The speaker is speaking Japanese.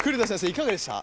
いかがでした？